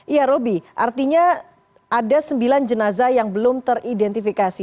iya roby artinya ada sembilan jenazah yang belum teridentifikasi